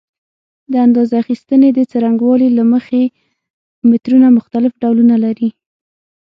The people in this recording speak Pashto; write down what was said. د اندازه اخیستنې د څرنګوالي له مخې مترونه مختلف ډولونه لري.